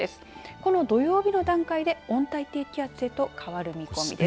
この土曜日の段階で温帯低気圧へと変わる見込みです。